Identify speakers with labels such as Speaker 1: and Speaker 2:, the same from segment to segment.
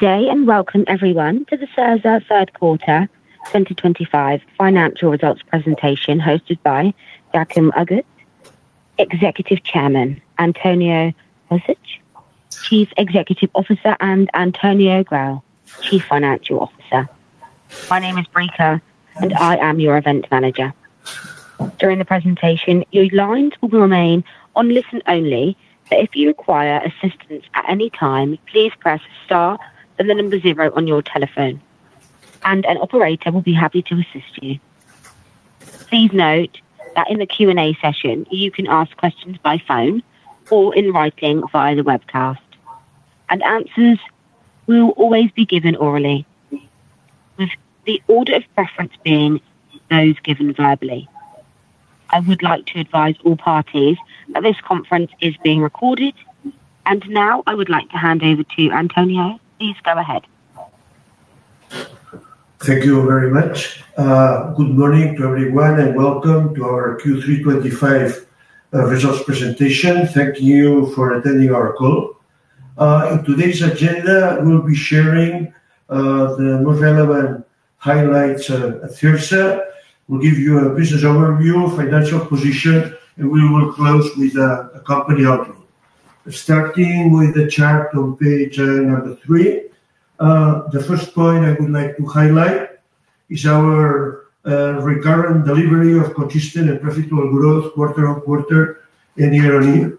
Speaker 1: Today, and welcome everyone to the Cirsa third quarter 2025 financial results presentation hosted by Joaquim Agut, Executive Chairman, Antonio Hostench, Chief Executive Officer, and Antonio Grau, Chief Financial Officer. My name is Ruy Pinto, and I am your Event Manager. During the presentation, your lines will remain on listen only, but if you require assistance at any time, please press star and the number zero on your telephone, and an operator will be happy to assist you. Please note that in the Q&A session, you can ask questions by phone or in writing via the webcast, and answers will always be given orally, with the order of preference being those given verbally. I would like to advise all parties that this conference is being recorded, and now I would like to hand over to Antonio. Please go ahead.
Speaker 2: Thank you all very much. Good morning to everyone, and welcome to our Q3 2025 results presentation. Thank you for attending our call. In today's agenda, we'll be sharing the most relevant highlights at Cirsa. We'll give you a business overview, financial position, and we will close with a company outlook. Starting with the chart on page number three, the first point I would like to highlight is our recurrent delivery of consistent and profitable growth quarter on quarter and year on year.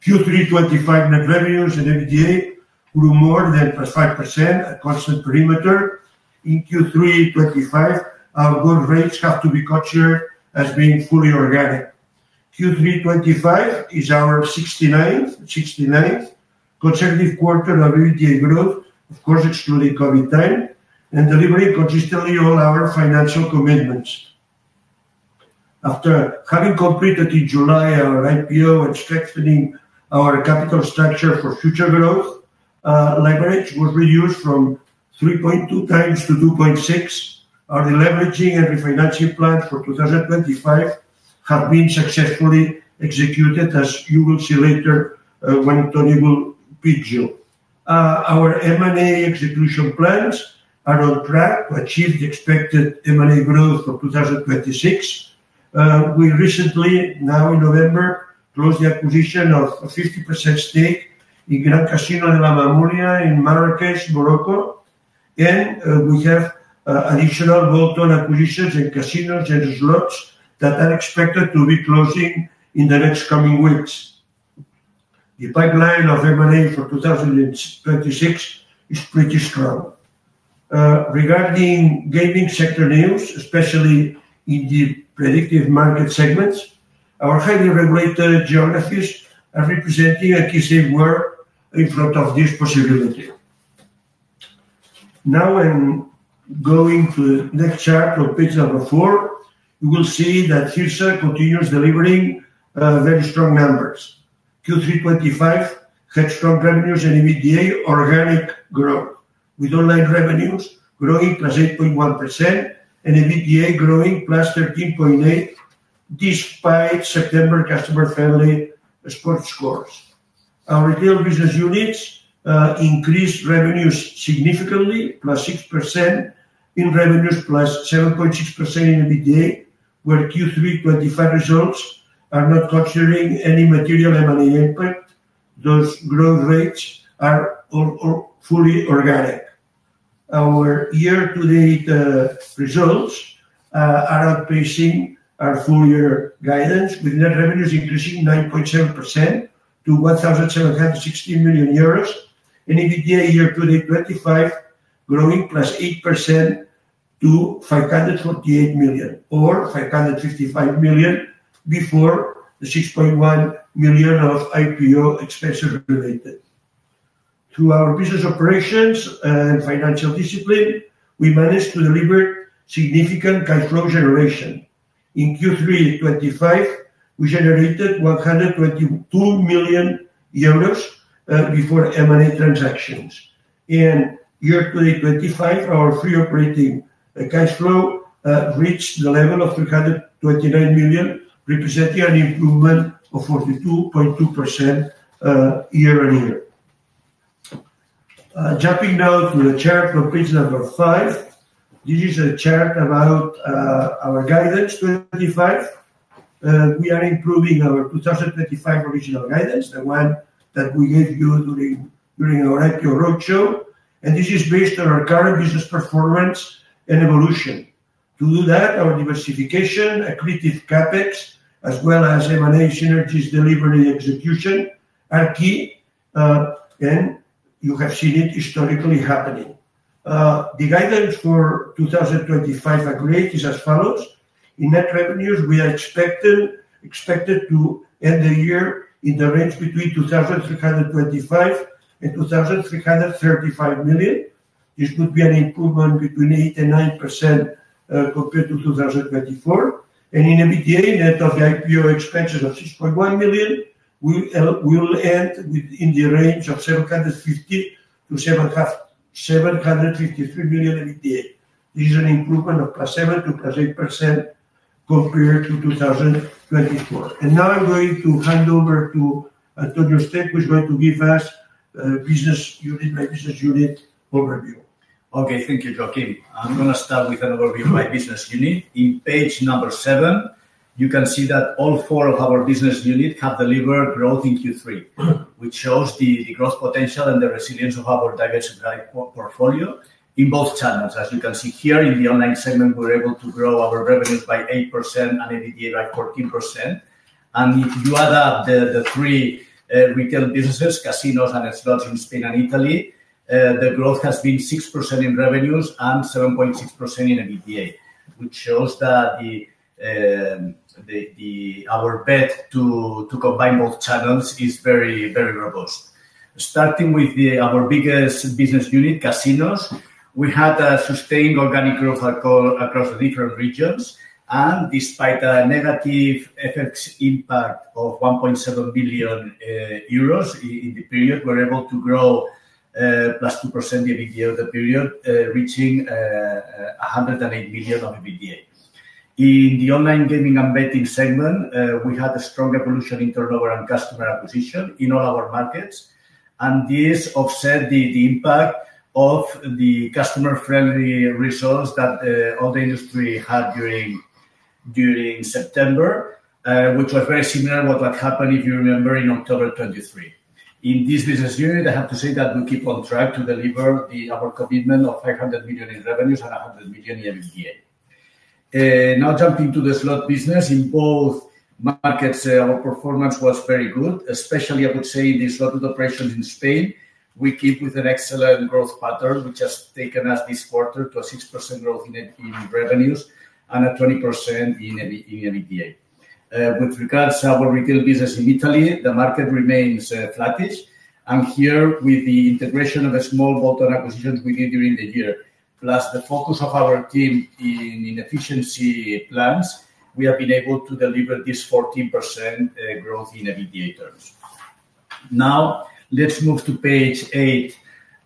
Speaker 2: Q3 2025 net revenues and EBITDA grew more than 5% at constant perimeter. In Q3 2025, our growth rates have to be considered as being fully organic. Q3 2025 is our 69th consecutive quarter of EBITDA growth, of course excluding COVID time, and delivering consistently all our financial commitments. After having completed in July our IPO and strengthening our capital structure for future growth, leverage was reduced from 3.2 times to 2.6. Our leveraging and refinancing plans for 2025 have been successfully executed, as you will see later when Tony will pitch you. Our M&A execution plans are on track to achieve the expected M&A growth for 2026. We recently, now in November, closed the acquisition of a 50% stake in Le Grand Casino De La Mamounia in Marrakech, Morocco, and we have additional bolt-on acquisitions in casinos and slots that are expected to be closing in the next coming weeks. The pipeline of M&A for 2026 is pretty strong. Regarding gaming sector news, especially in the predictive market segments, our highly regulated geographies are representing a key safe wall in front of this possibility. Now, going to the next chart on page number four, you will see that Cirsa continues delivering very strong numbers. Q3 2025 had strong revenues and EBITDA organic growth, with online revenues growing +8.1% and EBITDA growing +13.8% despite September customer-friendly support scores. Our retail business units increased revenues significantly, +6% in revenues, +7.6% in EBITDA, where Q3 2025 results are not considering any material M&A impact. Those growth rates are fully organic. Our year-to-date results are outpacing our full-year guidance, with net revenues increasing 9.7% to EUR 1,716 million, and EBITDA year-to-date 2025, growing +8% to 548 million or 555 million before the 6.1 million of IPO expenses related. Through our business operations and financial discipline, we managed to deliver significant cash flow generation. In Q3 2025, we generated 122 million euros before M&A transactions.In year-to-date 2025, our free operating cash flow reached the level of 329 million, representing an improvement of 42.2% year on year. Jumping now to the chart on page number five, this is a chart about our guidance to 2025. We are improving our 2025 original guidance, the one that we gave you during our IPO roadshow, and this is based on our current business performance and evolution. To do that, our diversification, accretive CapEx, as well as M&A synergies delivery execution, are key, and you have seen it historically happening. The guidance for 2025 upgrade is as follows. In net revenues, we are expected to end the year in the range between 2,325 and 2,335 million. This would be an improvement between 8% and 9% compared to 2024.In EBITDA, net of the IPO expenses of 6.1 million, we will end within the range of 750-753 million EBITDA. This is an improvement of +7% to +8% compared to 2024.Now I am going to hand over to Antonio Hostench, who is going to give us a business unit by business unit overview.
Speaker 3: Okay, thank you, Joaquim. I'm going to start with an overview by business unit. On page number seven, you can see that all four of our business units have delivered growth in Q3, which shows the growth potential and the resilience of our diversified portfolio in both channels. As you can see here, in the online segment, we were able to grow our revenues by 8% and EBITDA by 14%. If you add up the three retail businesses, casinos and slots in Spain and Italy, the growth has been 6% in revenues and 7.6% in EBITDA, which shows that our bet to combine both channels is very, very robust. Starting with our biggest business unit, casinos, We had a sustained organic growth across the different regions, and despite the negative effects impact of 1.7 million euros in the period, we were able to grow plus 2% EBITDA over the period, reaching 108 million of EBITDA. In the online gaming and betting segment, we had a strong evolution in turnover and customer acquisition in all our markets, and this offset the impact of the customer-friendly results that all the industry had during September, which was very similar to what happened, if you remember, in October 2023. In this business unit, I have to say that we keep on track to deliver our commitment of 500 million in revenues and 100 million in EBITDA. Now, jumping to the slot business, in both markets, our performance was very good, especially, I would say, in the slot operations in Spain. We keep with an excellent growth pattern, which has taken us this quarter to a 6% growth in revenues and a 20% in EBITDA. With regards to our retail business in Italy, the market remains flattish, and here, with the integration of a small bolt-on acquisition we did during the year, plus the focus of our team in efficiency plans, we have been able to deliver this 14% growth in EBITDA terms. Now, let's move to page eight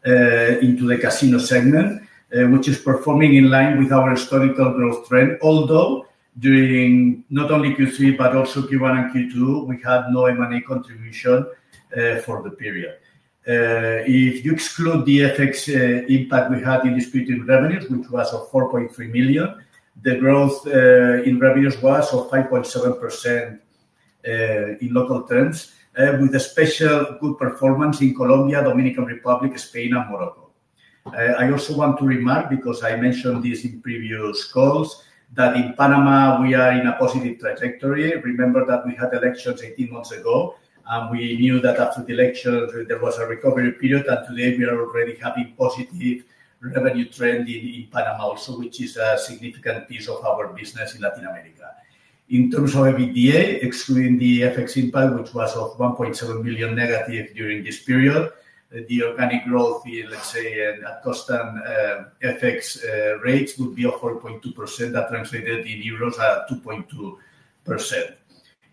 Speaker 3: into the casino segment, which is performing in line with our historical growth trend, although during not only Q3, but also Q1 and Q2, we had no M&A contribution for the period. If you exclude the FX impact we had in disputed revenues, which was of 4.3 million, the growth in revenues was of 5.7% in local terms, with a special good performance in Colombia, Dominican Republic, Spain, and Morocco.I also want to remark, because I mentioned this in previous calls, that in Panama, we are in a positive trajectory. Remember that we had elections 18 months ago, and we knew that after the elections, there was a recovery period, and today we are already having positive revenue trend in Panama also, which is a significant piece of our business in Latin America. In terms of EBITDA, excluding the FX impact, which was of 1.7 million negative during this period, the organic growth in, let's say, at custom FX rates would be of 4.2%. That translated in euros at 2.2%.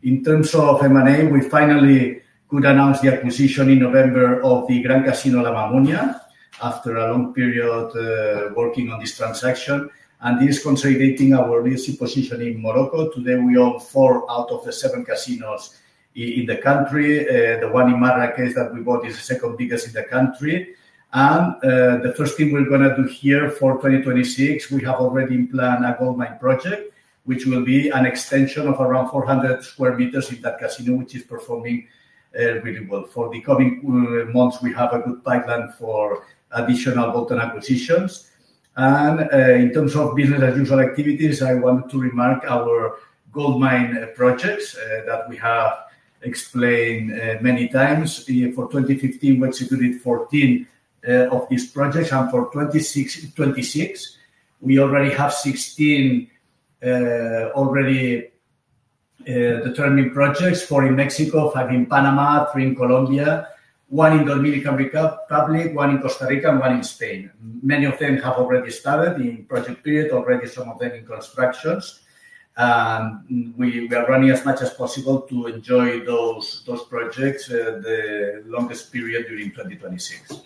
Speaker 3: In terms of M&A, we finally could announce the acquisition in November of the Le Grand Casino De La Mamounia, after a long period working on this transaction, and this is consolidating our leadership position in Morocco. Today, we own four out of the seven casinos in the country. The one in Marrakech that we bought is the second biggest in the country. The first thing we're going to do here for 2026, we have already in plan a gold mine project, which will be an extension of around 400 sq m in that casino, which is performing really well. For the coming months, we have a good pipeline for additional bolt-on acquisitions. In terms of business as usual activities, I want to remark our gold mine projects that we have explained many times. For 2015, we executed 14 of these projects, and for 2026, we already have 16 already determined projects. Four in Mexico, five in Panama, three in Colombia, one in Dominican Republic, one in Costa Rica, and one in Spain. Many of them have already started in project period, already some of them in constructions. We are running as much as possible to enjoy those projects the longest period during 2026.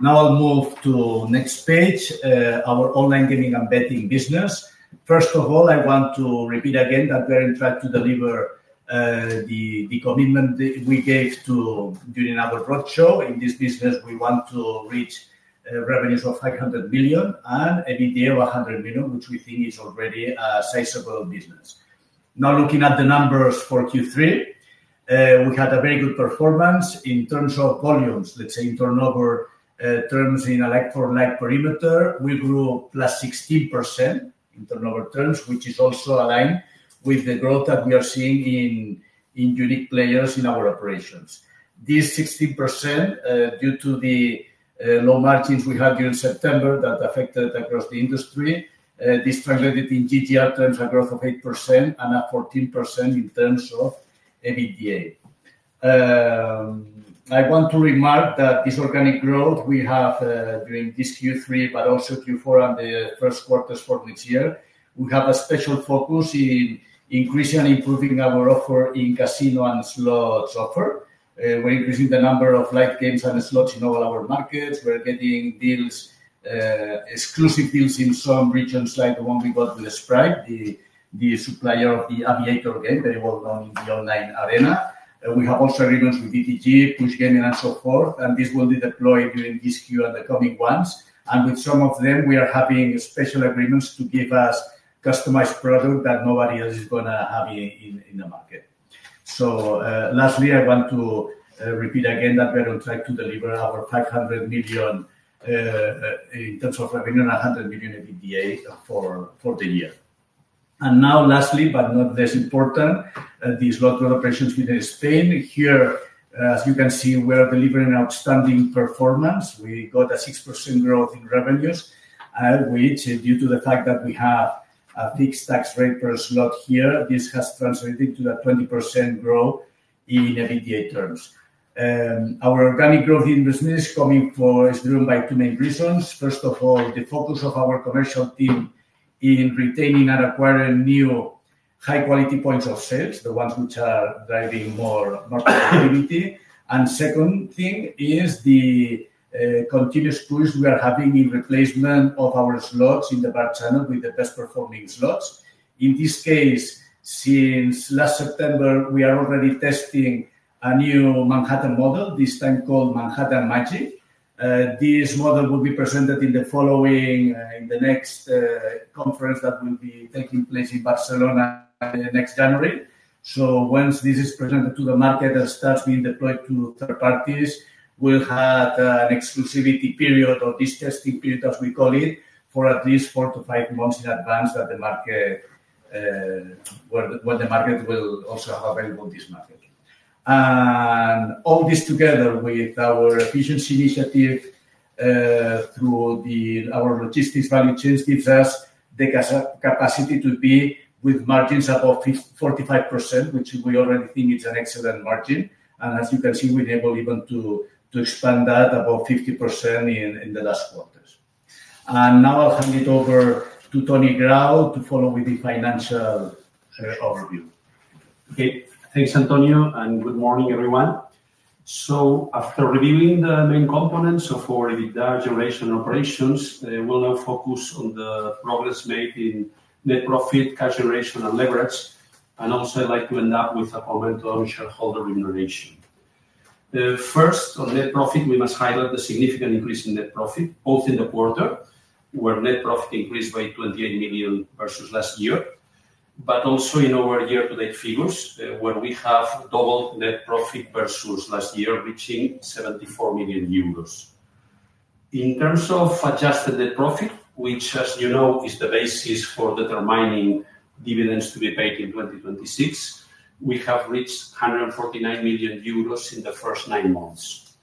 Speaker 3: Now I'll move to next page, our online gaming and betting business. First of all, I want to repeat again that we are in track to deliver the commitment we gave during our roads how. In this business, we want to reach revenues of 500 billion and EBITDA of 100 million, which we think is already a sizable business. Now, looking at the numbers for Q3, we had a very good performance in terms of volumes. Let's say in turnover terms in electron-like perimeter, we grew plus 16% in turnover terms, which is also aligned with the growth that we are seeing in unique players in our operations. This 16%, due to the low margins we had during September that affected across the industry, this translated in GGR terms a growth of 8% and a 14% in terms of EBITDA. I want to remark that this organic growth we have during this Q3, but also Q4 and the first quarters for this year, we have a special focus in increasing and improving our offer in casino and slots offer. We're increasing the number of light games and slots in all our markets. We're getting exclusive deals in some regions like the one we got with Spribe, the supplier of the Aviator game, very well known in the online arena. We have also agreements with DTG, Push Gaming, and so forth, and this will be deployed during this Q and the coming ones. With some of them, we are having special agreements to give us customized product that nobody else is going to have in the market. Lastly, I want to repeat again that we're on track to deliver our 500 million in terms of revenue and 100 million EBITDA for the year. Lastly, but not less important, the slot operations within Spain. Here, as you can see, we are delivering outstanding performance. We got a 6% growth in revenues, which, due to the fact that we have a fixed tax rate per slot here, has translated to a 20% growth in EBITDA terms. Our organic growth in business is driven by two main reasons. First of all, the focus of our commercial team in retaining and acquiring new high-quality points of sales, the ones which are driving more productivity. The second thing is the continuous push we are having in replacement of our slots in the bar channel with the best-performing slots. In this case, since last September, we are already testing a new Manhattan model, this time called Manhattan Magic. This model will be presented in the following, in the next conference that will be taking place in Barcelona next January. Once this is presented to the market and starts being deployed to third parties, we will have an exclusivity period, or this testing period as we call it, for at least four to five months in advance that the market, where the market will also have available this model. All this together with our efficiency initiative through our logistics value chain gives us the capacity to be with margins above 45%, which we already think is an excellent margin. As you can see, we're able even to expand that above 50% in the last quarters. Now I'll hand it over to Antonio Grau to follow with the financial overview.
Speaker 4: Okay, thanks, Antonio, and good morning, everyone. After reviewing the main components of our EBITDA generation operations, we'll now focus on the progress made in net profit, cash generation, and leverage. I would also like to end up with a comment on shareholder remuneration. First, on net profit, we must highlight the significant increase in net profit, both in the quarter, where net profit increased by 28 million versus last year, but also in our year-to-date figures, where we have doubled net profit versus last year, reaching 74 million euros. In terms of adjusted net profit, which, as you know, is the basis for determining dividends to be paid in 2026, we have reached 149 million euros in the first nine months.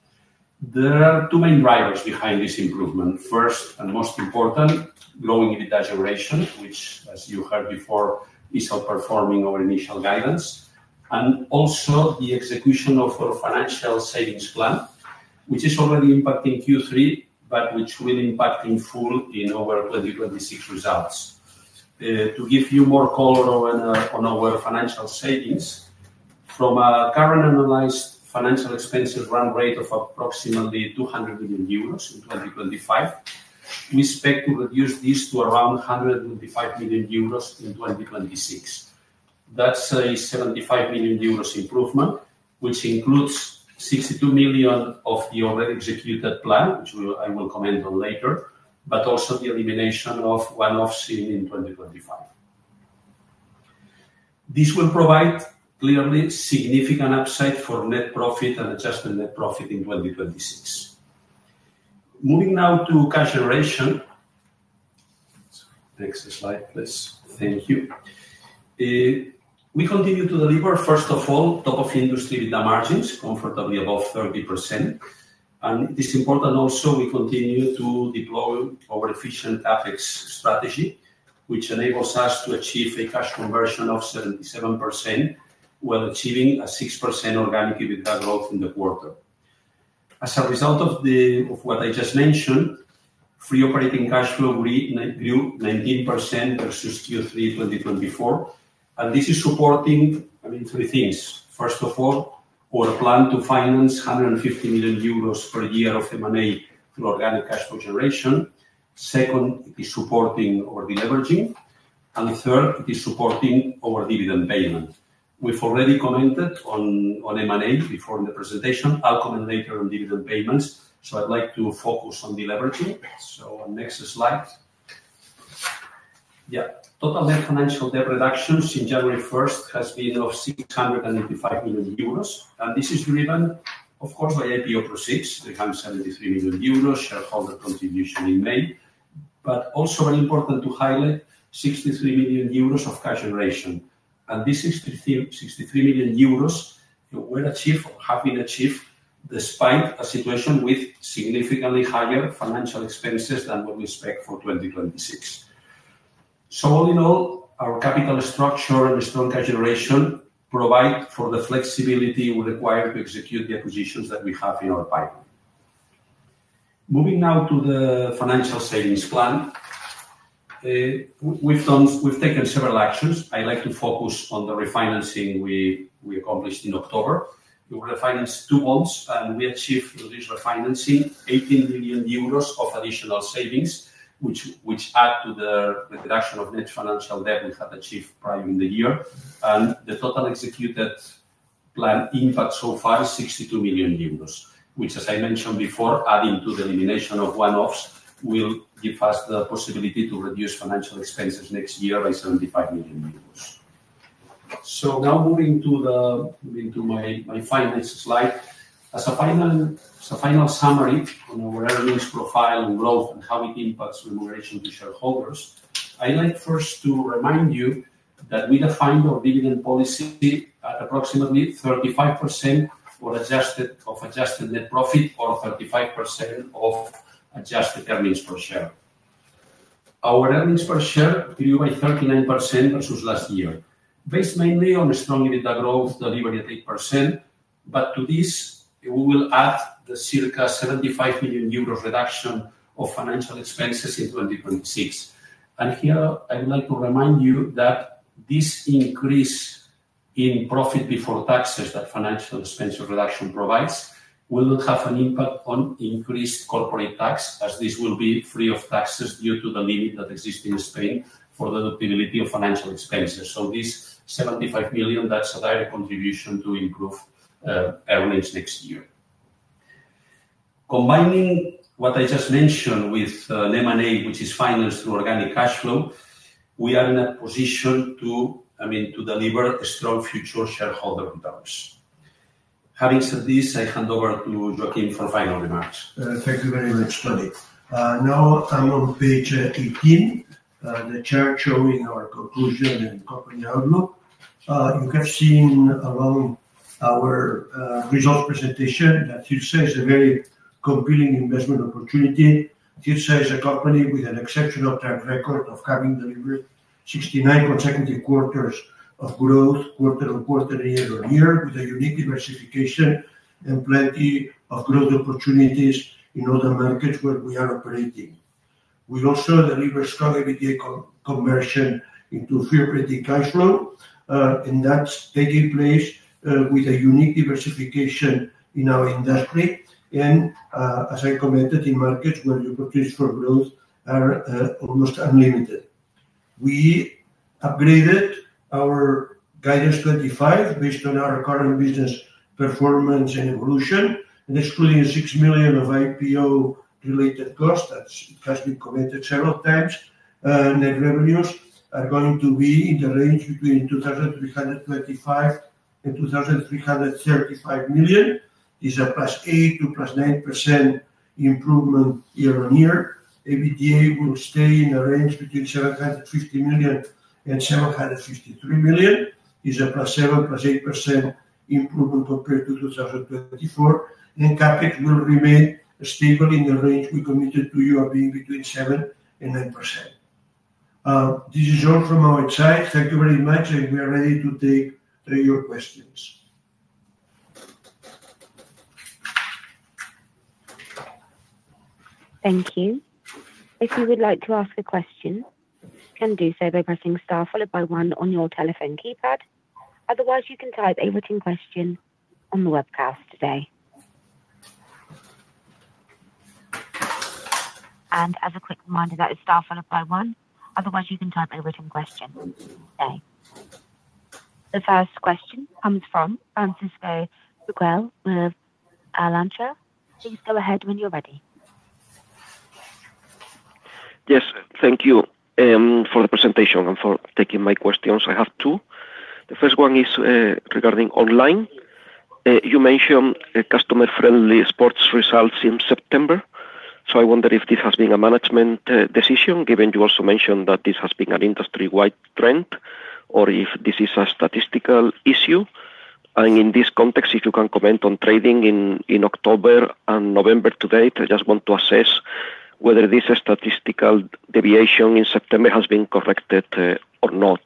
Speaker 4: There are two main drivers behind this improvement. First and most important, low EBITDA generation, which, as you heard before, is outperforming our initial guidance, and also the execution of our financial savings plan, which is already impacting Q3, but which will impact in full in our 2026 results. To give you more color on our financial savings, from a current analyzed financial expenses run rate of approximately 200 million euros in 2025, we expect to reduce this to around 125 million euros in 2026. That's a 75 million euros improvement, which includes 62 million of the already executed plan, which I will comment on later, but also the elimination of one-offs in 2025. This will provide clearly significant upside for net profit and adjusted net profit in 2026. Moving now to cash generation. Next slide, please. Thank you. We continue to deliver, first of all, top-of-industry EBITDA margins, comfortably above 30%.It is important also we continue to deploy our efficient APEX strategy, which enables us to achieve a cash conversion of 77% while achieving a 6% organic EBITDA growth in the quarter. As a result of what I just mentioned, free operating cash flow grew 19% versus Q3 2024, and this is supporting, I mean, three things. First of all, our plan to finance 150 million euros per year of M&A through organic cash flow generation. Second, it is supporting our deleveraging. Third, it is supporting our dividend payment. We've already commented on M&A before in the presentation. I'll comment later on dividend payments, so I'd like to focus on deleveraging. Next slide. Total net financial debt reductions since January 1st has been of 685 million euros, and this is driven, of course, by IPO proceeds. We have 73 million euros shareholder contribution in May, but also very important to highlight 63 million euros of cash generation. This 63 million euros we're achieving or have been achieved despite a situation with significantly higher financial expenses than what we expect for 2026. All in all, our capital structure and strong cash generation provide for the flexibility required to execute the acquisitions that we have in our pipeline. Moving now to the financial savings plan, we've taken several actions. I'd like to focus on the refinancing we accomplished in October. We were refinanced two months, and we achieved through this refinancing 18 million euros of additional savings, which add to the reduction of net financial debt we had achieved prior in the year. The total executed plan impact so far is 62 million euros, which, as I mentioned before, adding to the elimination of one-offs, will give us the possibility to reduce financial expenses next year by 75 million euros. Now moving to my final slide. As a final summary on our earnings profile and growth and how it impacts remuneration to shareholders, I'd like first to remind you that we defined our dividend policy at approximately 35% of adjusted net profit or 35% of adjusted earnings per share. Our earnings per share grew by 39% versus last year, based mainly on strong EBITDA growth delivered at 8%, but to this, we will add the circa 75 million euros reduction of financial expenses in 2026.Here, I would like to remind you that this increase in profit before taxes that financial expenses reduction provides will not have an impact on increased corporate tax, as this will be free of taxes due to the limit that exists in Spain for the deductibility of financial expenses. This 75 million, that's a direct contribution to improve earnings next year. Combining what I just mentioned with an M&A, which is financed through organic cash flow, we are in a position to, I mean, to deliver strong future shareholder returns. Having said this, I hand over to Joaquim for final remarks.
Speaker 2: Thank you very much, Tony. Now I'm on page 18, the chart showing our conclusion and company outlook. You have seen along our results presentation that Cirsa is a very compelling investment opportunity. Cirsa is a company with an exceptional track record of having delivered 69 consecutive quarters of growth, quarter on quarter year on year, with a unique diversification and plenty of growth opportunities in all the markets where we are operating. We also deliver strong EBITDA conversion into free operating cash flow, and that's taking place with a unique diversification in our industry. As I commented in markets where the opportunities for growth are almost unlimited, we upgraded our guidance 2025 based on our current business performance and evolution. Excluding 6 million of IPO-related costs that has been committed several times, net revenues are going to be in the range between 2,325 million and 2,335 million. It's a plus 8% to plus 9% improvement year on year. EBITDA will stay in the range between 750 million and 753 million. It's a +7%, + 8% improvement compared to 2024.CapEx will remain stable in the range we committed to you of being between 7% and 9%. This is all from our side. Thank you very much, and we are ready to take your questions.
Speaker 1: Thank you. If you would like to ask a question, you can do so by pressing Star followed by 1 on your telephone keypad. Otherwise, you can type a written question on the webcast today. As a quick reminder, that is Star followed by one. Otherwise, you can type a written question today. The first question comes from Francisco De Miguel. Please go ahead when you're ready.
Speaker 5: Yes, thank you for the presentation and for taking my questions. I have two. The first one is regarding online. You mentioned customer-friendly sports results in September. I wonder if this has been a management decision, given you also mentioned that this has been an industry-wide trend, or if this is a statistical issue. In this context, if you can comment on trading in October and November to date, I just want to assess whether this statistical deviation in September has been corrected or not.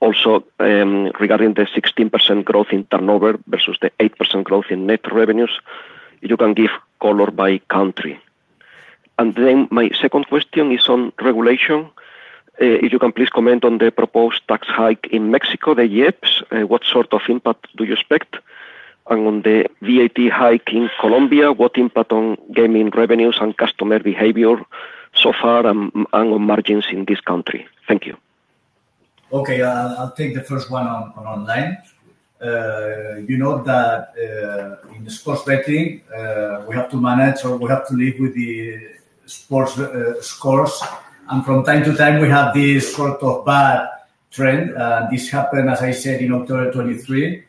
Speaker 5: Also regarding the 16% growth in turnover versus the 8% growth in net revenues, if you can give color by country. My second question is on regulation. If you can please comment on the proposed tax hike in Mexico, the IEPs, what sort of impact do you expect? On the VAT hike in Colombia, what impact on gaming revenues and customer behavior so far, and on margins in this country? Thank you.
Speaker 3: Okay, I'll take the first one on online. You know that in the sports betting, we have to manage or we have to live with the sports scores. From time to time, we have this sort of bad trend. This happened, as I said, in October 2023.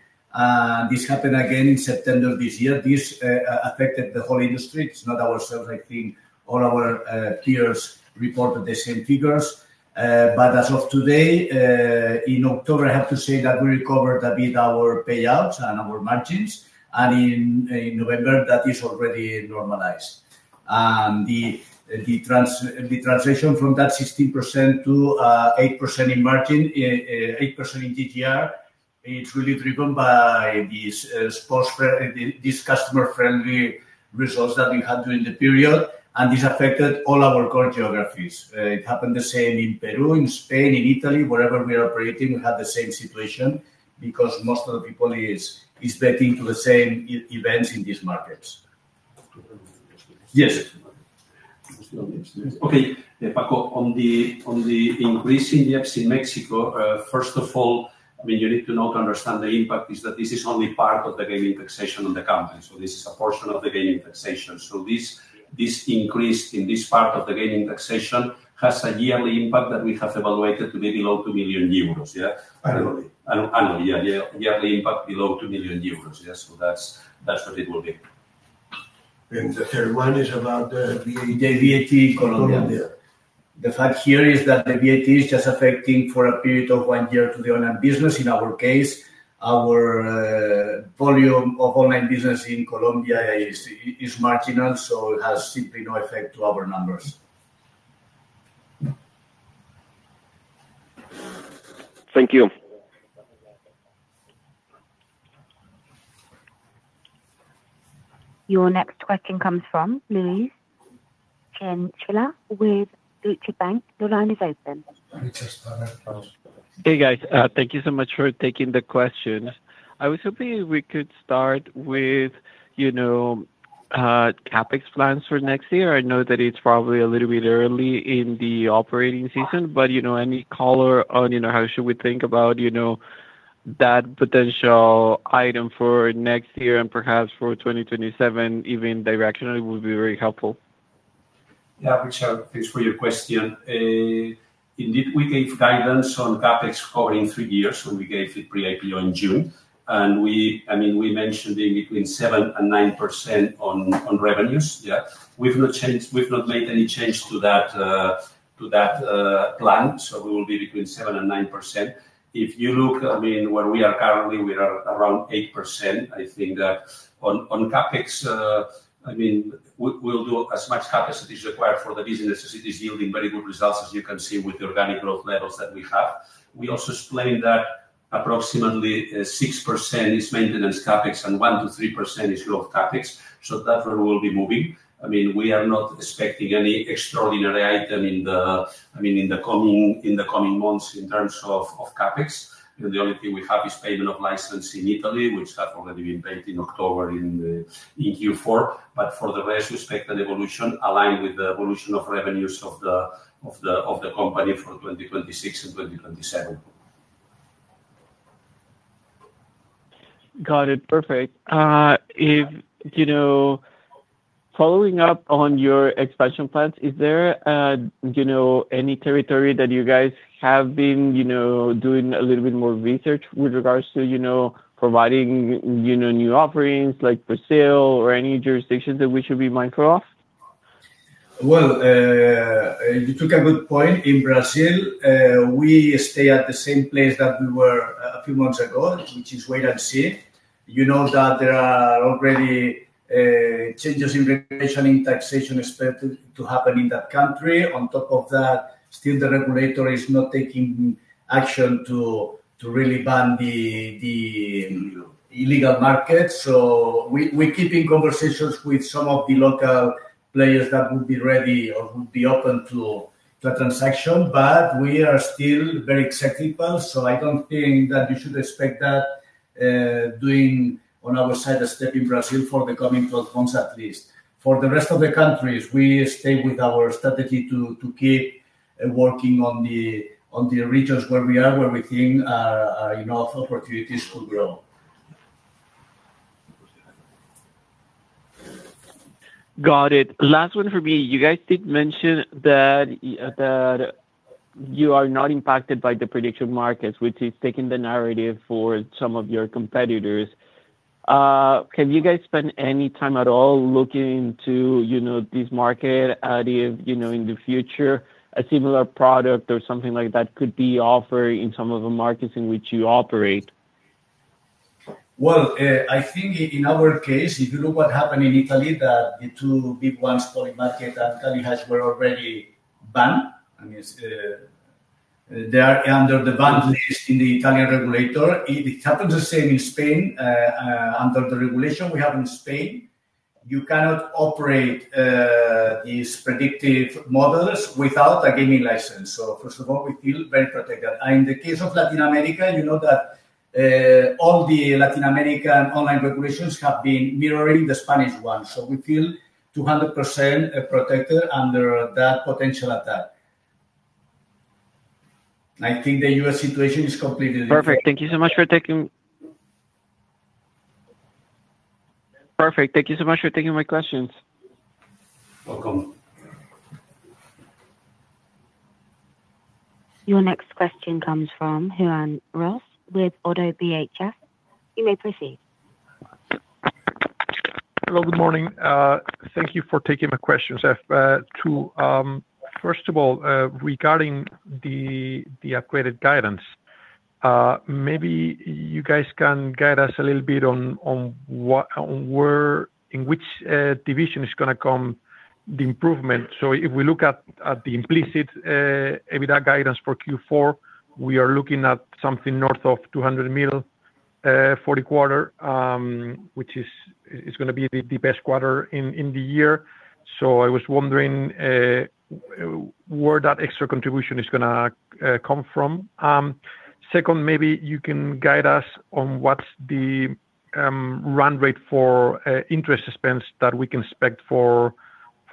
Speaker 3: This happened again in September this year. This affected the whole industry. It's not ourselves, I think. All our peers reported the same figures. As of today, in October, I have to say that we recovered a bit our payouts and our margins. In November, that is already normalized. The transition from that 16% to 8% in margin, 8% in GGR, is really driven by these customer-friendly results that we had during the period. This affected all our core geographies. It happened the same in Peru, in Spain, in Italy, wherever we are operating, we have the same situation because most of the people are betting to the same events in these markets. Yes. Okay, Paco, on the increase in IEPs in Mexico, first of all, I mean, you need to know to understand the impact is that this is only part of the gaming taxation on the company. This is a portion of the gaming taxation. This increase in this part of the gaming taxation has a yearly impact that we have evaluated to be below 2 million euros. Yeah,
Speaker 4: annually.
Speaker 3: Annually, yeah, yearly impact below 2 million euros. Yeah, that is what it will be.
Speaker 4: The third one is about the VAT in Colombia. The fact here is that the VAT is just affecting for a period of one year to the online business.In our case, our volume of online business in Colombia is marginal, so it has simply no effect to our numbers.
Speaker 5: Thank you.
Speaker 1: Your next question comes from Luis Gentila with Deutsche Bank. Your line is open.
Speaker 6: Hey, guys. Thank you so much for taking the questions. I was hoping we could start with CapEx plans for next year. I know that it's probably a little bit early in the operating season, but any color on how should we think about that potential item for next year and perhaps for 2027, even directionally, would be very helpful.
Speaker 4: Yeah, Chinchilla, thanks for your question. Indeed, we gave guidance on CapEx covering three years, and we gave it pre-IPO in June. I mean, we mentioned being between 7-9% on revenues. Yeah, we've not made any change to that plan, so we will be between 7-9%. If you look, I mean, where we are currently, we are around 8%. I think that on CapEx, I mean, we'll do as much CapEx as it is required for the business as it is yielding very good results, as you can see with the organic growth levels that we have. We also explained that approximately 6% is maintenance CapEx and 1-3% is growth CapEx. That's where we will be moving. I mean, we are not expecting any extraordinary item in the, I mean, in the coming months in terms of CapEx.The only thing we have is payment of license in Italy, which has already been paid in October in Q4. For the rest, we expect an evolution aligned with the evolution of revenues of the company for 2026 and 2027.
Speaker 6: Got it. Perfect. Following up on your expansion plans, is there any territory that you guys have been doing a little bit more research with regards to providing new offerings like Brazil or any jurisdictions that we should be mindful of?
Speaker 3: You took a good point. In Brazil, we stay at the same place that we were a few months ago, which is wait and see. You know that there are already changes in regulation in taxation expected to happen in that country. On top of that, still the regulator is not taking action to really ban the illegal market. We are keeping conversations with some of the local players that would be ready or would be open to a transaction, but we are still very excited. I do not think that you should expect that doing on our side a step in Brazil for the coming 12 months at least. For the rest of the countries, we stay with our strategy to keep working on the regions where we are, where we think enough opportunities to grow.
Speaker 6: Got it. Last one for me. You guys did mention that you are not impacted by the prediction markets, which is taking the narrative for some of your competitors. Have you guys spent any time at all looking into this market? In the future, a similar product or something like that could be offered in some of the markets in which you operate?
Speaker 3: I think in our case, if you look what happened in Italy, the two big ones, Polymarket and CaliHash, were already banned. I mean, they are under the banned list in the Italian regulator. It happens the same in Spain under the regulation we have in Spain. You cannot operate these predictive models without a gaming license. First of all, we feel very protected. In the case of Latin America, you know that all the Latin American online regulations have been mirroring the Spanish one. We feel 200% protected under that potential attack. I think the U.S. situation is completely different.
Speaker 6: Perfect. Thank you so much for taking my questions.
Speaker 4: Welcome.
Speaker 1: Your next question comes from Juan Ros with ODDO BHF. You may proceed.
Speaker 7: Hello, good morning. Thank you for taking my questions. First of all, regarding the upgraded guidance, maybe you guys can guide us a little bit on in which division is going to come the improvement. If we look at the implicit EBITDA guidance for Q4, we are looking at something north of 200 million for the quarter, which is going to be the best quarter in the year. I was wondering where that extra contribution is going to come from. Second, maybe you can guide us on what's the run rate for interest expense that we can expect for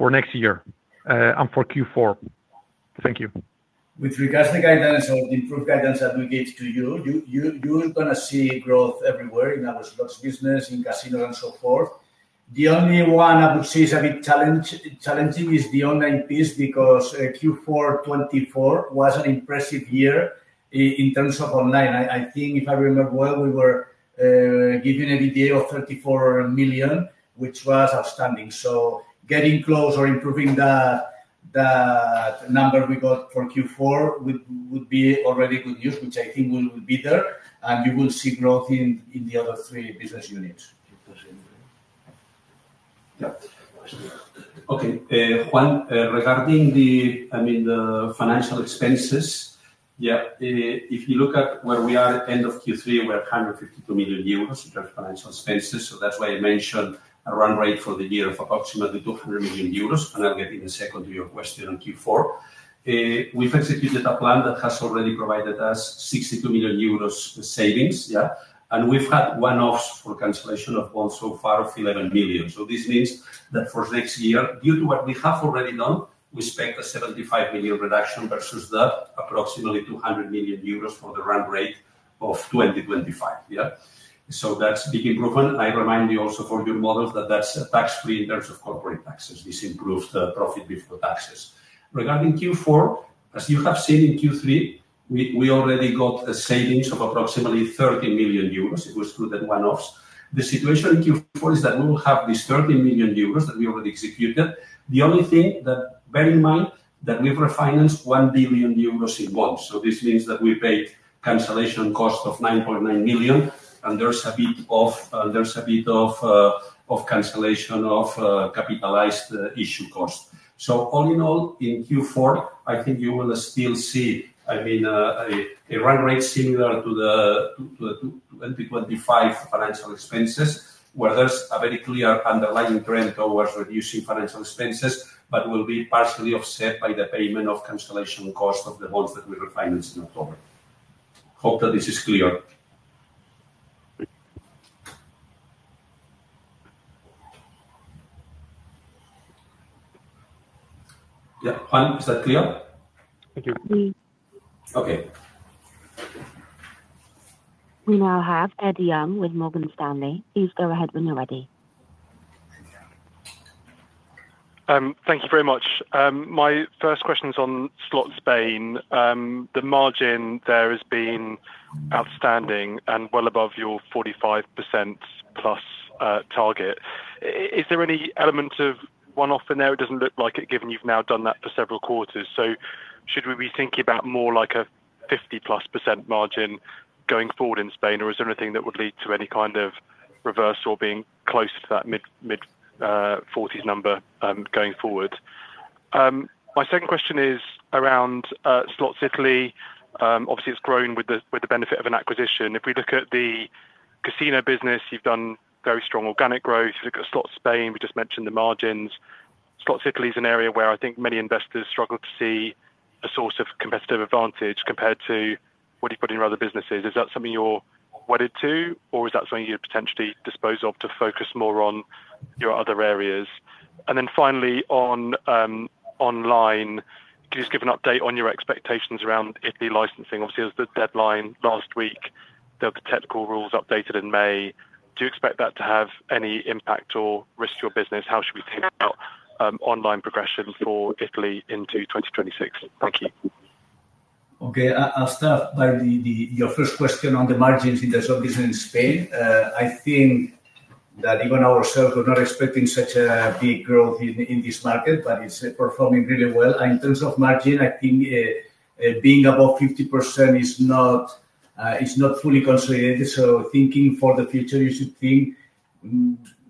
Speaker 7: next year and for Q4. Thank you.
Speaker 3: With regards to the guidance or the improved guidance that we gave to you, you're going to see growth everywhere in our sports business, in casinos and so forth. The only one I would see as a bit challenging is the online piece because Q4 2024 was an impressive year in terms of online. I think if I remember well, we were giving an EBITDA of 34 million, which was outstanding. Getting close or improving that number we got for Q4 would be already good news, which I think will be there. You will see growth in the other three business units.
Speaker 4: Okay. Juan, regarding the, I mean, the financial expenses, yeah, if you look at where we are at the end of Q3, we are at 152 million euros in terms of financial expenses. That is why I mentioned a run rate for the year of approximately 200 million euros. I'll get in a second to your question on Q4. We've executed a plan that has already provided us 62 million euros savings. Yeah. We've had one-offs for cancellation of bonds so far of 11 million. This means that for next year, due to what we have already done, we expect a 75 million reduction versus the approximately 200 million euros for the run rate of 2025. Yeah. That is a big improvement. I remind you also for your models that is tax-free in terms of corporate taxes. This improved profit before taxes. Regarding Q4, as you have seen in Q3, we already got savings of approximately 30 million euros. It was through the one-offs. The situation in Q4 is that we will have this 30 million euros that we already executed. The only thing that bear in mind that we've refinanced 1 billion euros in bonds. This means that we paid cancellation cost of 9.9 million. There's a bit of cancellation of capitalized issue cost. All in all, in Q4, I think you will still see, I mean, a run rate similar to the 2025 financial expenses, where there's a very clear underlying trend towards reducing financial expenses, but will be partially offset by the payment of cancellation cost of the bonds that we refinanced in October. Hope that this is clear. Yeah. Juan, is that clear?
Speaker 7: Thank you. Okay.
Speaker 1: We now have Ed Young with Morgan Stanley. Please go ahead when you're ready.
Speaker 8: Thank you very much. My first question is on slot Spain. The margin there has been outstanding and well above your 45% plus target. Is there any element of one-off in there? It does not look like it, given you have now done that for several quarters. Should we be thinking about more like a 50% plus margin going forward in Spain, or is there anything that would lead to any kind of reversal being close to that mid-40s number going forward? My second question is around slot Italy. Obviously, it has grown with the benefit of an acquisition. If we look at the casino business, you have done very strong organic growth. If you look at slot Spain, we just mentioned the margins. Slot Italy is an area where I think many investors struggle to see a source of competitive advantage compared to what you have put in your other businesses. Is that something you're wedded to, or is that something you'd potentially dispose of to focus more on your other areas? Finally, online, can you just give an update on your expectations around Italy licensing? Obviously, there's the deadline last week. There were the technical rules updated in May. Do you expect that to have any impact or risk your business? How should we think about online progression for Italy into 2026? Thank you.
Speaker 4: Okay. I'll start by your first question on the margins in the slot business in Spain. I think that even ourselves we're not expecting such a big growth in this market, but it's performing really well. In terms of margin, I think being above 50% is not fully consolidated. So thinking for the future, you should think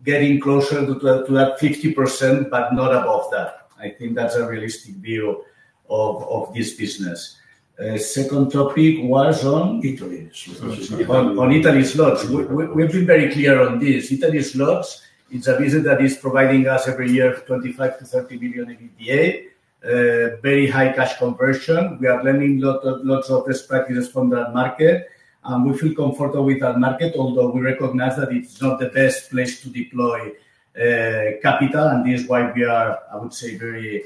Speaker 4: getting closer to that 50%, but not above that. I think that's a realistic view of this business. Second topic was on Italy slots. We've been very clear on this. Italy slots, it's a business that is providing us every year 25 million-30 million in EBITDA, very high cash conversion. We are learning lots of best practices from that market. And we feel comfortable with that market, although we recognize that it's not the best place to deploy capital. This is why we are, I would say, very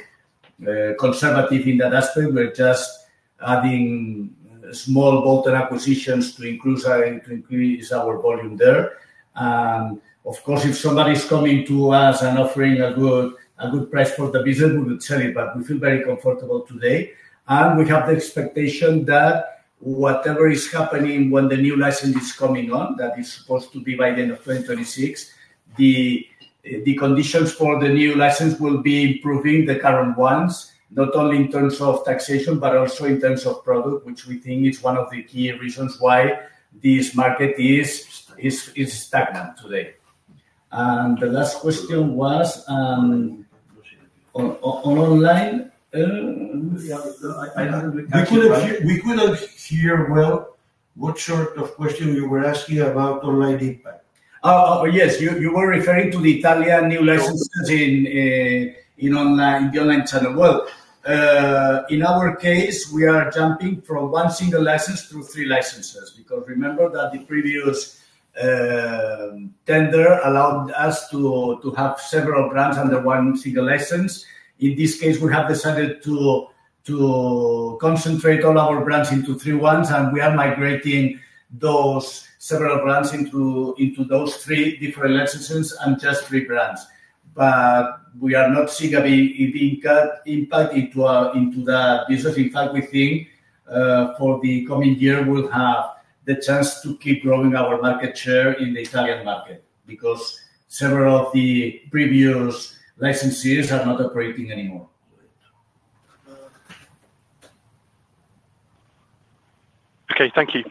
Speaker 4: conservative in that aspect. We're just adding small bolt-on acquisitions to increase our volume there. Of course, if somebody is coming to us and offering a good price for the business, we will sell it. We feel very comfortable today. We have the expectation that whatever is happening when the new license is coming on, that is supposed to be by the end of 2026, the conditions for the new license will be improving the current ones, not only in terms of taxation, but also in terms of product, which we think is one of the key reasons why this market is stagnant today.
Speaker 8: The last question was online.
Speaker 3: We couldn't hear well what sort of question you were asking about online impact.
Speaker 4: Yes, you were referring to the Italian new licenses in the online channel. In our case, we are jumping from one single license to three licenses because remember that the previous tender allowed us to have several brands under one single license. In this case, we have decided to concentrate all our brands into three ones, and we are migrating those several brands into those three different licenses and just three brands. We are not seeing a big impact into that business. In fact, we think for the coming year, we'll have the chance to keep growing our market share in the Italian market because several of the previous licenses are not operating anymore.
Speaker 8: Okay. Thank you.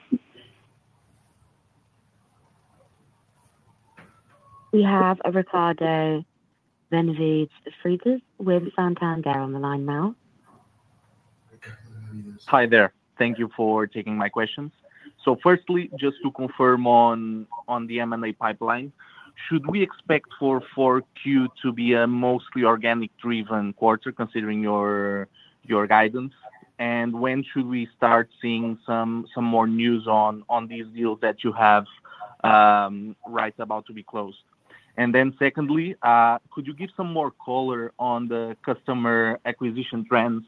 Speaker 1: We have Rodolfo De Benedetti with Santander on the line now.
Speaker 9: Hi there. Thank you for taking my questions. Firstly, just to confirm on the M&A pipeline, should we expect for Q4 to be a mostly organic-driven quarter considering your guidance? When should we start seeing some more news on these deals that you have right about to be closed? Secondly, could you give some more color on the customer acquisition trends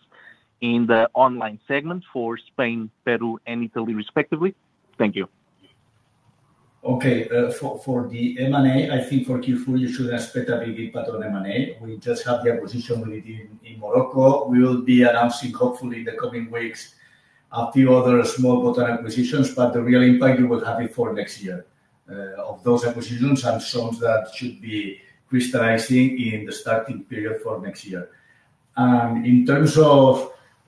Speaker 9: in the online segment for Spain, Peru, and Italy, respectively? Thank you.
Speaker 4: Okay. For the M&A, I think for Q4, you should expect a big impact on M&A. We just had the acquisition with it in Morocco. We will be announcing, hopefully, in the coming weeks, a few other small bolt acquisitions, but the real impact you will have before next year of those acquisitions and some that should be crystallizing in the starting period for next year. In terms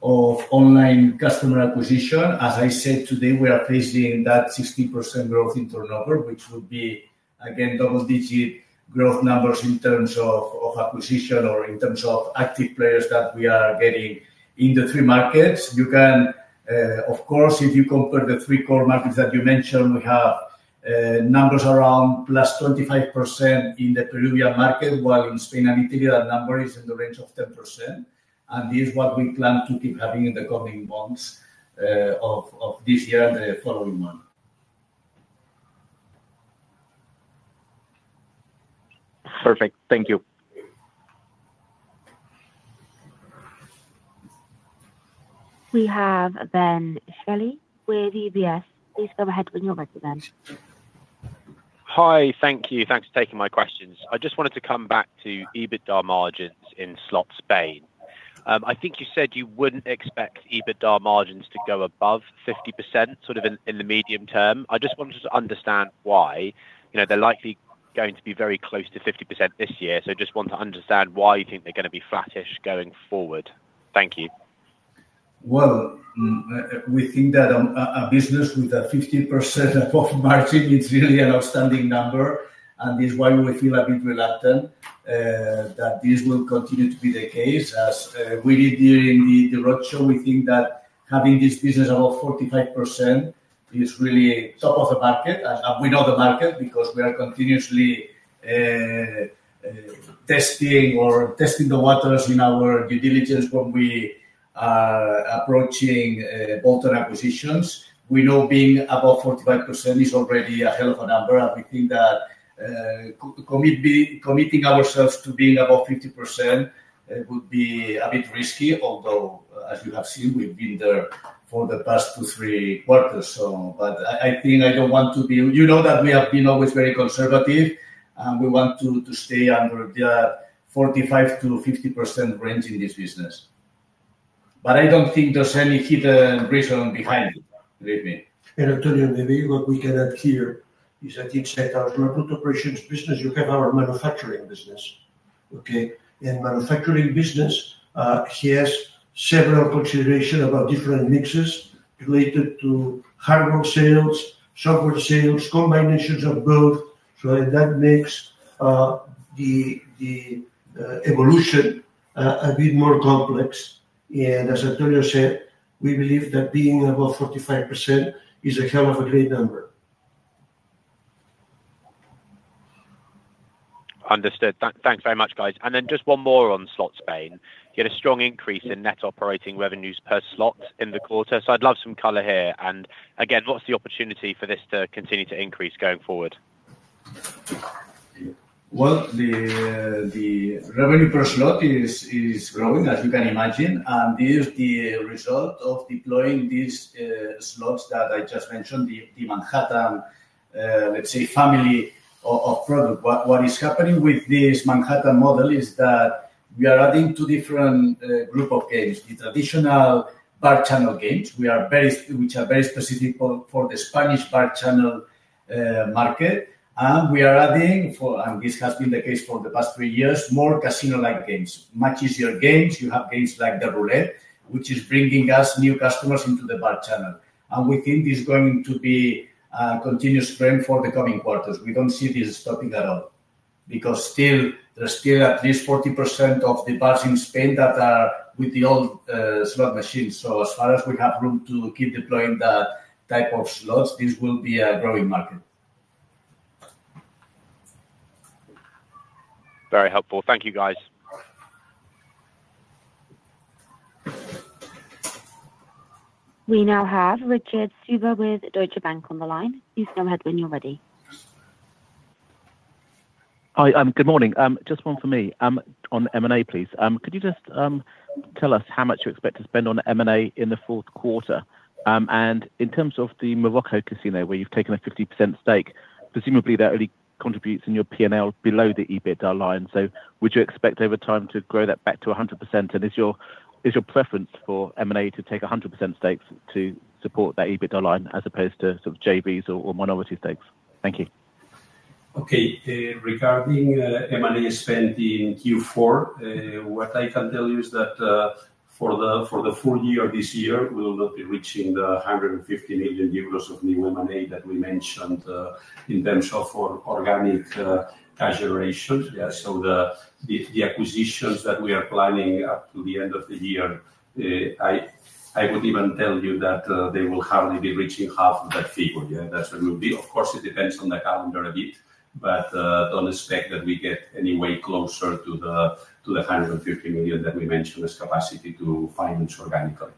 Speaker 4: of online customer acquisition, as I said, today, we are facing that 60% growth in turnover, which would be, again, double-digit growth numbers in terms of acquisition or in terms of active players that we are getting in the three markets. You can, of course, if you compare the three core markets that you mentioned, we have numbers around +25% in the Peruvian market, while in Spain and Italy, that number is in the range of 10%.This is what we plan to keep having in the coming months of this year and the following month.
Speaker 9: Perfect. Thank you.
Speaker 1: We have then Shirley with EBS. Please go ahead when you're ready.
Speaker 10: Hi. Thank you. Thanks for taking my questions. I just wanted to come back to EBITDA margins in slot Spain. I think you said you wouldn't expect EBITDA margins to go above 50% sort of in the medium term. I just wanted to understand why. They're likely going to be very close to 50% this year. I just want to understand why you think they're going to be flattish going forward. Thank you.
Speaker 4: We think that a business with a 50% profit margin is really an outstanding number. This is why we feel a bit reluctant that this will continue to be the case. As we did during the roadshow, we think that having this business above 45% is really top of the market. We know the market because we are continuously testing or testing the waters in our due diligence when we are approaching bolt and acquisitions. We know being above 45% is already a hell of a number. We think that committing ourselves to being above 50% would be a bit risky, although, as you have seen, we've been there for the past two, three quarters. I think I don't want to be, you know, that we have been always very conservative, and we want to stay under the 45-50% range in this business.I don't think there's any hidden reason behind it. Believe me.
Speaker 3: Rodolfo De Benedetti, what we can adhere is that inside our market operations business, you have our manufacturing business. Okay? And manufacturing business has several considerations about different mixes related to hardware sales, software sales, combinations of both. That makes the evolution a bit more complex. As Antonio said, we believe that being above 45% is a hell of a great number.
Speaker 10: Understood. Thanks very much, guys. Just one more on slot Spain. You had a strong increase in net operating revenues per slot in the quarter. I'd love some color here. Again, what's the opportunity for this to continue to increase going forward?
Speaker 4: The revenue per slot is growing, as you can imagine. This is the result of deploying these slots that I just mentioned, the Manhattan, let's say, family of product. What is happening with this Manhattan model is that we are adding two different groups of games, the traditional bar channel games, which are very specific for the Spanish bar channel market. We are adding, and this has been the case for the past three years, more casino-like games, much easier games. You have games like the roulette, which is bringing us new customers into the bar channel. We think this is going to be a continuous trend for the coming quarters. We do not see this stopping at all because still there is still at least 40% of the bars in Spain that are with the old slot machines. As far as we have room to keep deploying that type of slots, this will be a growing market.
Speaker 10: Very helpful. Thank you, guys.
Speaker 1: We now have Richard Whiteing with SES on the line. Please go ahead when you're ready.
Speaker 11: Hi. Good morning. Just one for me. On M&A, please. Could you just tell us how much you expect to spend on M&A in the fourth quarter? In terms of the Morocco casino, where you've taken a 50% stake, presumably that only contributes in your P&L below the EBITDA line. Would you expect over time to grow that back to 100%? Is your preference for M&A to take 100% stakes to support that EBITDA line as opposed to sort of JVs or minority stakes? Thank you.
Speaker 4: Okay. Regarding M&A spent in Q4, what I can tell you is that for the full year this year, we will not be reaching the 150 million euros of new M&A that we mentioned in terms of organic cash generation. The acquisitions that we are planning up to the end of the year, I would even tell you that they will hardly be reaching half of that figure. That is where we will be. Of course, it depends on the calendar a bit, but do not expect that we get any way closer to the 150 million that we mentioned as capacity to finance organically.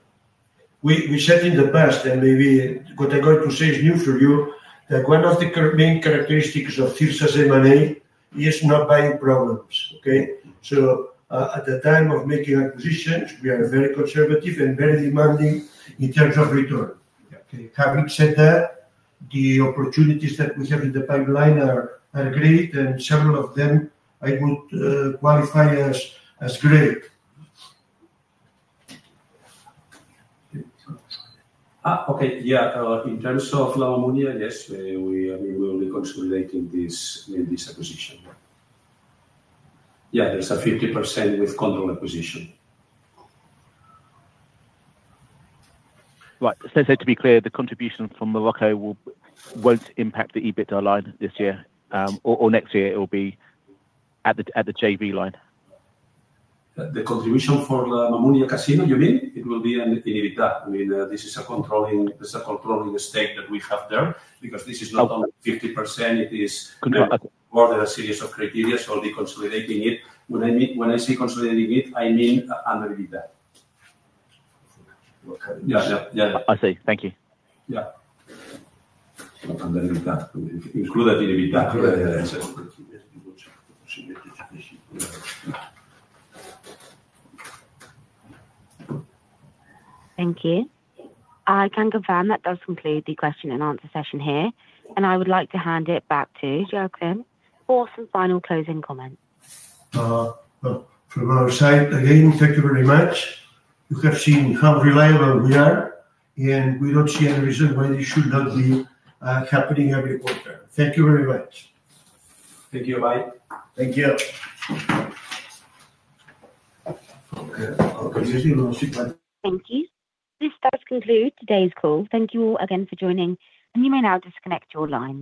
Speaker 4: We said in the past, and maybe what I'm going to say is new for you, that one of the main characteristics of Cirsa's M&A is not buying problems. Okay? At the time of making acquisitions, we are very conservative and very demanding in terms of return. Having said that, the opportunities that we have in the pipeline are great, and several of them I would qualify as great. Okay. Yeah. In terms of La Mamounia, yes, we will be consolidating this acquisition. Yeah, there's a 50% with control acquisition.
Speaker 11: Right. To be clear, the contribution from Morocco will not impact the EBITDA line this year, or next year it will be at the JV line?
Speaker 4: The contribution for La Mamounia Casino, you mean? It will be in EBITDA. I mean, this is a controlling stake that we have there because this is not only 50%. It is more than a series of criteria, so I'll be consolidating it. When I say consolidating it, I mean under EBITDA.
Speaker 11: I see. Thank you.
Speaker 4: Yeah.
Speaker 1: Thank you. I can confirm that does complete the question and answer session here. I would like to hand it back to Joaquim for some final closing comments.
Speaker 2: From our side, again, thank you very much. You have seen how reliable we are, and we do not see any reason why this should not be happening every quarter. Thank you very much.
Speaker 4: Thank you. Bye.
Speaker 3: Thank you.
Speaker 1: Thank you. This does conclude today's call. Thank you all again for joining, and you may now disconnect your line.